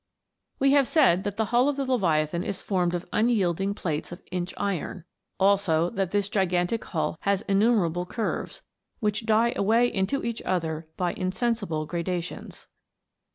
We have said that the hull of the Leviathan is formed of unyielding plates of inch iron ; also that this gigantic hull has innumerable curves, which die away into each other by insensible gradations.